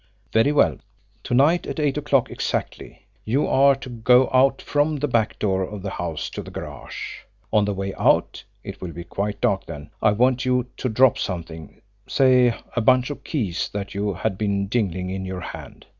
Very well! To night, at eight o'clock exactly, you are to go out from the back door of the house to the garage. On the way out it will be quite dark then I want you to drop something, say, a bunch of keys that you had been jingling in your hand.